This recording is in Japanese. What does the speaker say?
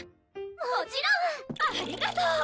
もちろん！ありがとー！